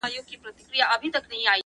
د دې وطن د هر يو گل سره کي بد کړې وي!!